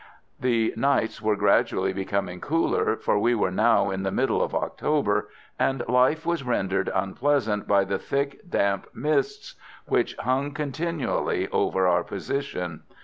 The nights were gradually becoming cooler, for we were now in the middle of October, and life was rendered unpleasant by the thick, damp mists which hung continually over our position.